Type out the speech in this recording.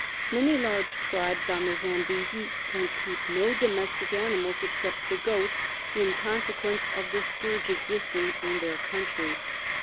" Many large tribes on the Zambesi can keep no domestic animals, except the goat, in consequence of the scourge existing in their country.